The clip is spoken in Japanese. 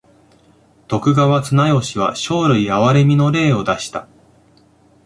徳川綱吉は生類憐みの令を出した。